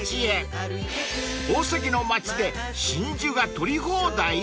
［宝石の街で真珠が取り放題！？］